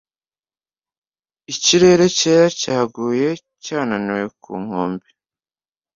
Ikirere cyera cyaguye cyananiwe ku nkombe